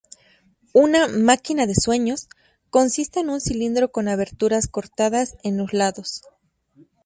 Una "máquina de sueños" consiste en un cilindro con aberturas cortadas en los lados.